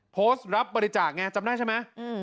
โพสต์รับบริจาคไงจำได้ใช่ไหม